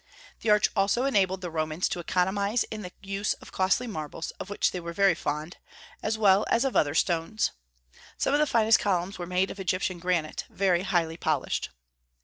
The arch also enabled the Romans to economize in the use of costly marbles, of which they were very fond, as well as of other stones. Some of the finest columns were made of Egyptian granite, very highly polished.